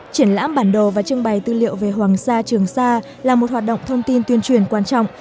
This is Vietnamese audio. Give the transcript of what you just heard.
triển lãm bản đồ và trưng bày tư liệu về hoàng sa trường sa là một hoạt động thông tin tuyên truyền quan trọng